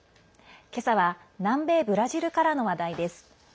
今朝は南米ブラジルからの話題です。